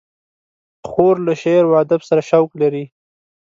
خور له شعر و ادب سره شوق لري.